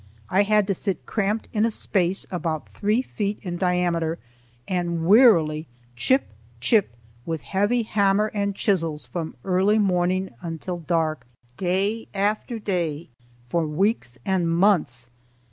I had to sit cramped in a space about three feet in diameter, and wearily chip, chip, with heavy hammer and chisels from early morning until dark, day after day, for weeks and months.